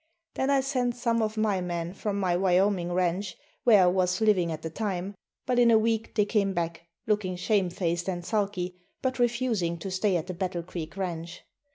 Then I sent some of my men from my Wyoming ranch, where I was living at the time, but in a week they came back, looking shamefaced and sulky, but refusing to stay at the Battle Creek ranch.